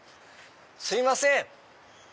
すいません！